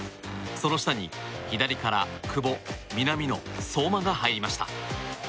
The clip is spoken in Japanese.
その下に左から久保、南野、相馬が入りました。